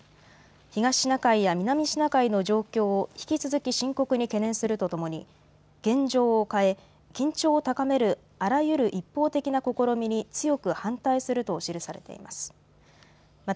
東シナ海や南シナ海の状況を引き続き深刻に懸念するとともに現状を変え緊張を高めるあらゆる一方的な試みに強く反対すると記されています。